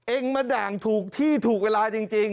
เองมาด่างถูกที่ถูกเวลาจริง